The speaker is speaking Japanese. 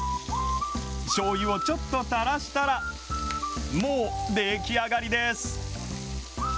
しょうゆをちょっと垂らしたら、もう出来上がりです。